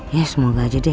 ya semoga aja deh